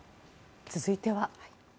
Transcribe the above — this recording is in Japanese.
続いては。